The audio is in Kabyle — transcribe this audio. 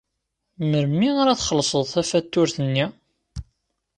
Melmi ara txellṣed tafatuṛt-nni?